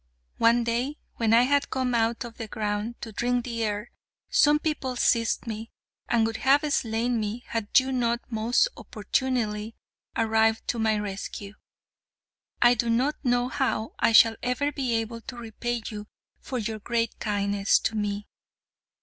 One day, when I had come out of the ground to drink the air, some people seized me, and would have slain me had you not most opportunely arrived to my rescue. I do not know how I shall ever be able to repay you for your great kindness to me.